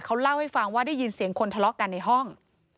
เขาเล่าให้ฟังว่าได้ยินเสียงคนทะเลาะกันในห้อง